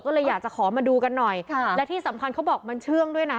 ก็เลยอยากจะขอมาดูกันหน่อยค่ะและที่สำคัญเขาบอกมันเชื่องด้วยนะ